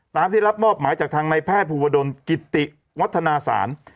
ที่รับมอบหมายจากทางในแพทย์ภูวดลกิติวัฒนาศาล